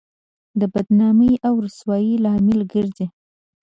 د بدنامۍ او رسوایۍ لامل ګرځي.